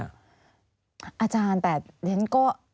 อาจารย์แต่ฉันก็